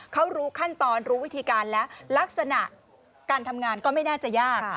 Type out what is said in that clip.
เขารู้ขั้นตอนรู้วิธีการแล้วลักษณะการทำงานก็ไม่น่าจะยาก